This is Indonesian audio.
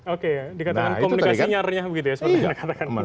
oke ya dikatakan komunikasinya renyah begitu ya